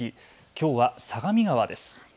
きょうは相模川です。